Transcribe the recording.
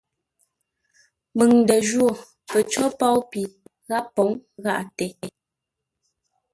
Məŋ ndə jwó pəcǒ pôu pi gháp pǒŋ gháʼate.